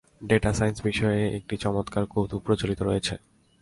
Data science বিষয়ে একটি চমৎকার কৌতুক প্রচলিত রয়েছে।